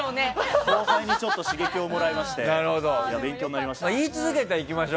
後輩に刺激をもらいまして言わせてもらいました。